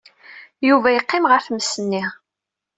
Yuba yeqqim ɣer tmes-nni.